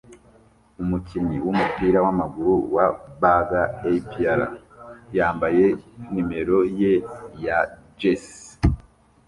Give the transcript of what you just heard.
Umukinnyi wumupira wamaguru wa Baga APR yambaye numero ye ya jersey